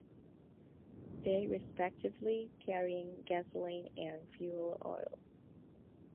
They respectively carrying gasoline and fuel oil.